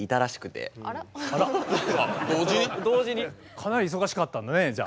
かなり忙しかったんだねじゃあ。